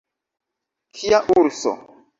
Kia urso!